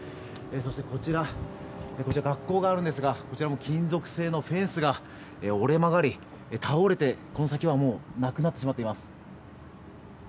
そしてこちら学校があるんですがこちらも金属製のフェンスが折れ曲がり倒れて、この先はなくなってしまっています。